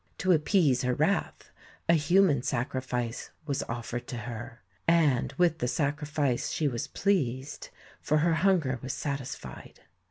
To appease her wrath, a human sacrifice was offered to her, and with the sacrifice she was pleased, for her hunger was satisfied.